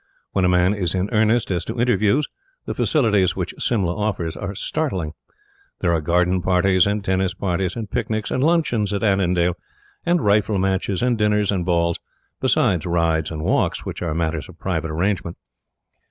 When a man is in earnest as to interviews, the facilities which Simla offers are startling. There are garden parties, and tennis parties, and picnics, and luncheons at Annandale, and rifle matches, and dinners and balls; besides rides and walks, which are matters of private arrangement.